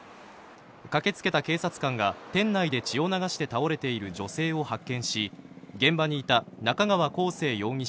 駆けつけた警察官が店内で血を流して倒れている女性を発見し現場にいた中川晃成容疑者